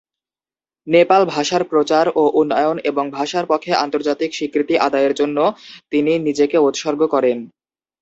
নেপাল ভাষার প্রচার ও উন্নয়ন এবং ভাষার পক্ষে আন্তর্জাতিক স্বীকৃতি আদায়ের জন্য তিনি নিজেকে উৎসর্গ করেন।